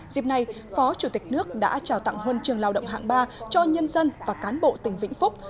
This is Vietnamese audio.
dịp này phó chủ tịch nước đã trào tặng huân trường lao động hạng ba cho nhân dân và cán bộ tỉnh vĩnh phúc